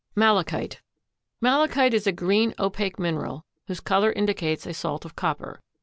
MALICHITE. Malachite is a green opaque mineral whose color indicates a salt of copper.